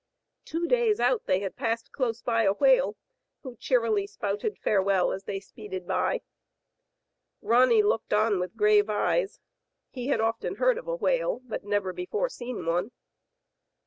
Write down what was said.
Two days out they had passed close by a whale, who cheerily spouted farewell as they speeded by. 244 Digitized by Google H, W. LUCY, 24S Ronny looked on with grave eyes. He had often heard of a whale, but never before seen one.